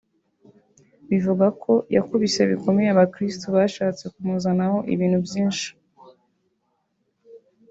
bivugwa ko yakubise bikomeye abakristo bashatse kumuzanaho ibintu byinshi